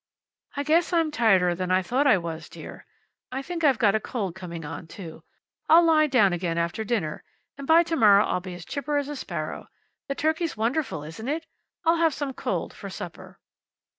"I guess I'm tireder than I thought I was, dear. I think I've got a cold coming on, too. I'll lie down again after dinner, and by to morrow I'll be as chipper as a sparrow. The turkey's wonderful, isn't it? I'll have some, cold, for supper."